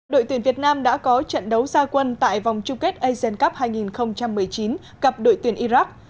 đội tuyển việt nam đã có trận đấu gia quân tại vòng chung kết asian cup hai nghìn một mươi chín gặp đội tuyển iraq